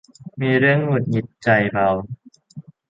มีเรื่องหงุดหงิดใจเบา